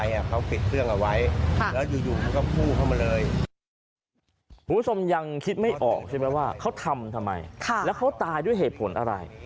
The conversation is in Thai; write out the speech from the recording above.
ยังคิดไม่ออกใช่ไหมว่าเขาทำทำไมแล้วเขาตายด้วยเหตุผลอะไร